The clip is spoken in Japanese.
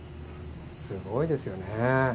すごいですよね。